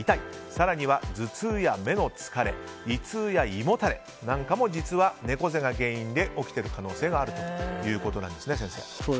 更には頭痛や目の疲れ胃痛や胃もたれなんかも実は猫背が原因で起きている可能性があるということなんですね、先生。